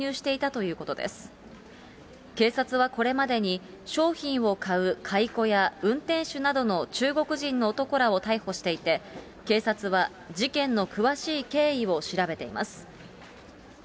けいさつはこれまでに、商品を買う買い子や運転手などの中国人の男らを逮捕していて、警察は事件の詳しい経緯を調べています。